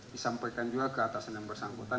disampaikan juga ke atasan yang bersangkutan